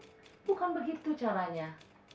itu bukan cara yang sepatutnya